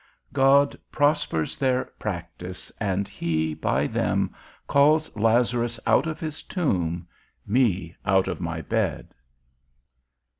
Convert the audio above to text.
_God prospers their practice, and he, by them, calls Lazarus out of his tomb, me out of my bed.